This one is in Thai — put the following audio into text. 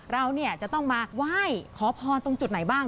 เราจะต้องมาว่ายขอพรตรงจุดไหนบ้าง